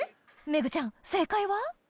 メグちゃん正解は？